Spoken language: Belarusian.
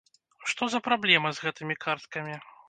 Што за праблема з гэтымі карткамі?